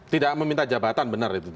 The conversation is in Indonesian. tidak meminta jabatan benar itu